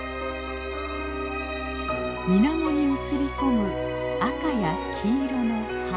みなもに映り込む赤や黄色の葉。